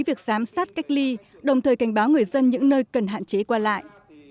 việc giám sát cách ly đồng thời cảnh báo người dân những nơi cần hạn chế qua lại